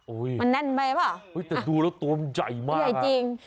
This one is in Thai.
อุ้ยมันแน่นไปหรือเปล่าอุ้ยแต่ดูแล้วตัวมันใหญ่มากอ่ะใหญ่จริง